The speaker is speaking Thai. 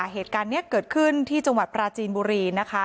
เหตุการณ์นี้เกิดขึ้นที่จังหวัดปราจีนบุรีนะคะ